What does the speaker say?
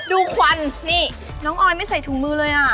ควันนี่น้องออยไม่ใส่ถุงมือเลยอ่ะ